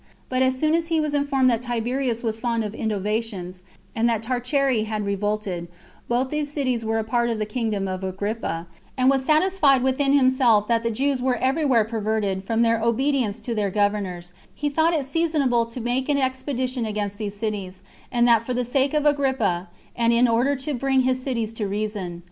But as soon as he was informed that Tiberias was fond of innovations, and that Taricheae had revolted, both which cities were parts of the kingdom of Agrippa, and was satisfied within himself that the Jews were every where perverted [from their obedience to their governors], he thought it seasonable to make an expedition against these cities, and that for the sake of Agrippa, and in order to bring his cities to reason.